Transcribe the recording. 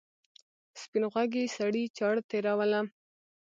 سپین غوږي سړي چاړه تېروله.